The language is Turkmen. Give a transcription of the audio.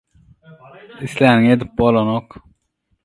isläniňi edip bolanok